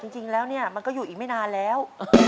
จริงแล้วเนี่ยมันก็อยู่อีกไม่นานแล้ว